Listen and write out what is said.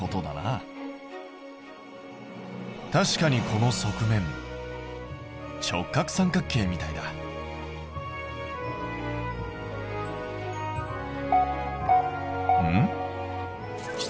確かにこの側面直角三角形みたいだ。んっ？